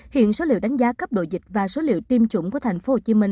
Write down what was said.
hiện số liệu đánh giá cấp độ dịch và số liệu tiêm chủng của tp hcm